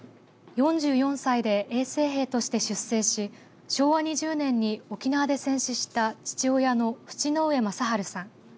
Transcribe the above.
４４歳で衛生兵として出征し昭和２０年に沖縄で戦死した父親の渕上正治さん。